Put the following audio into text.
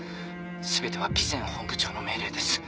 全ては備前本部長の命令です。